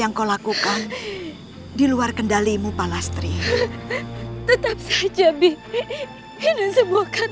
atau kalian berdua akan mati